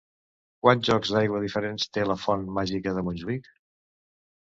Quants jocs d'aigua diferents té la Font màgica de Montjuïc?